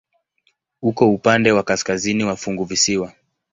Uko upande wa kaskazini wa funguvisiwa.